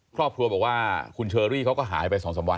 ครอบครัวบอกว่าฆ่าไฮโซเชอรี่เขาก็หายไปสองสามวัน